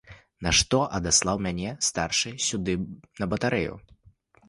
Нашто адаслаў мяне старшы сюды на батарэю?